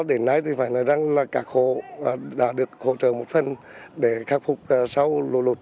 đến nay thì phải nói rằng là các hộ đã được hỗ trợ một phần để khắc phục sau lũ lụt